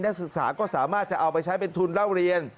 นักศึกษาก็สามารถจะเอาไปใช้เป็นทุนเล่าเรียน